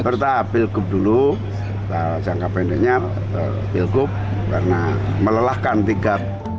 pertah pilgub dulu sangka pendeknya pilgub karena melelahkan tiga